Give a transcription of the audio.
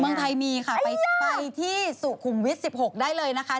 เมืองไทยมีค่ะไปที่สุขุมวิทย์๑๖ได้เลยนะคะ